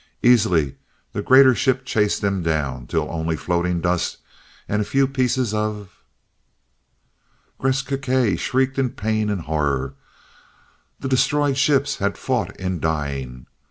Easily the greater ship chased them down, till only floating dust, and a few small pieces of Gresth Gkae shrieked in pain, and horror. The destroyed ships had fought in dying.